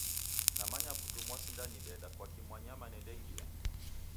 Namanya putu mosindanideda. Kwaki mwanyama nendangia?